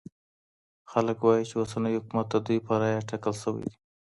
خلګ وايي چي اوسنی حکومت د دوی په رايه ټاکل سوی دی.